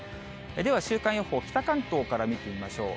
では、週間予報、北関東から見てみましょう。